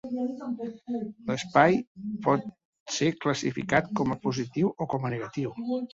L'espai pot ser classificat com a positiu i com a negatiu.